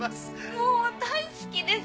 もう大好きです